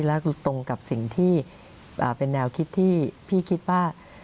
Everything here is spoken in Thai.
แล้วก็ตรงกับสิ่งที่เป็นแนวคิดที่พี่คิดว่า